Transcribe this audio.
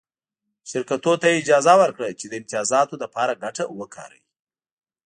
شرکتونو ته یې اجازه ورکړه چې د امتیازاتو لپاره ګټه وکاروي